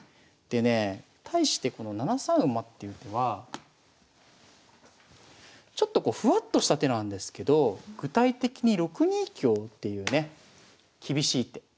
でね対してこの７三馬っていう手はちょっとこうふわっとした手なんですけど具体的に６二香っていうね厳しい手。